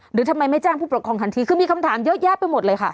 หรือทำไมไม่แจ้งผู้ปกครองทันทีคือมีคำถามเยอะแยะไปหมดเลยค่ะ